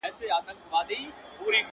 بې وریځو چي را اوري له اسمانه داسي غواړم,